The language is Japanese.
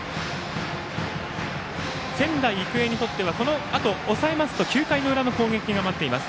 仙台育英にとってはこのあと抑えますと９回裏の攻撃が待っています。